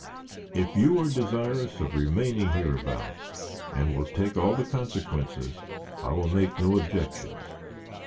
If you are desirous of remaining hereabouts, and will take all the consequences, I will make no objections."